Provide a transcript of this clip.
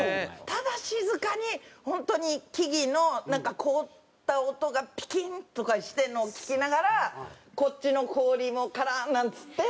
ただ静かにホントに木々のなんか凍った音がピキンとかしてるのを聞きながらこっちの氷もカランなんつって。